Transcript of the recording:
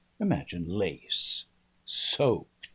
Imagine lace!" "Soaked!"